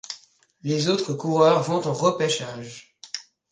Les autres coureurs vont en repêchages.